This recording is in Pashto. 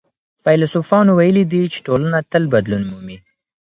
فيلسوفانو ويلي دي چي ټولنه تل بدلون مومي.